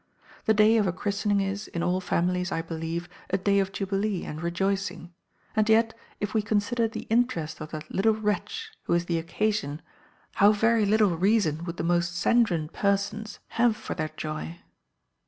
The day of a christening is, in all families, I believe, a day of jubilee and rejoicing; and yet, if we consider the interest of that little wretch who is the occasion, how very little reason would the most sanguine persons have for their joy!